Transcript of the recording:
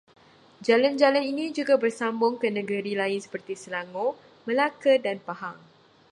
Jalan-jalan ini juga bersambung ke negeri lain seperti Selangor, Melaka dan Pahang